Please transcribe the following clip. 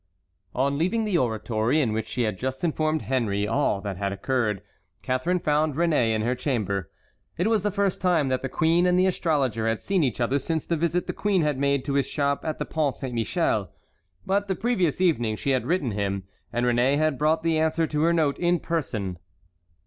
On leaving the oratory, in which she had just informed Henry all that had occurred, Catharine found Réné in her chamber. It was the first time that the queen and the astrologer had seen each other since the visit the queen had made to his shop at the Pont Saint Michel. But the previous evening she had written him, and Réné had brought the answer to her note in person.